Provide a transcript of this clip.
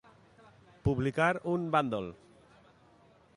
Publicar un bàndol.